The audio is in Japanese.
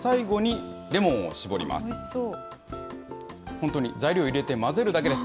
本当に、材料入れて混ぜるだけです。